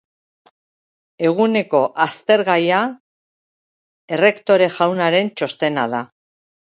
Eguneko aztergaia Errektore jaunaren txostena da.